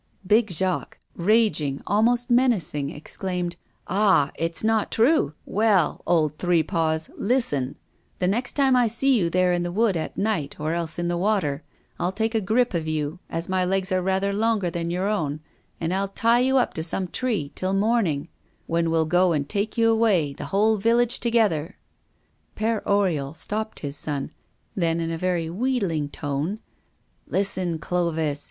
Big Jacques, raging, almost menacing, exclaimed: "Ah! it's not true! Well, old three paws, listen! The next time I see you there in the wood at night or else in the water, I'll take a grip of you, as my legs are rather longer than your own, and I'll tie you up to some tree till morning, when we'll go and take you away, the whole village together " Père Oriol stopped his son; then, in a very wheedling tone: "Listen, Clovis!